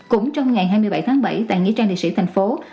cũng trong ngày hai mươi bảy tháng bảy tại nghĩa trang liệt sĩ tp hcm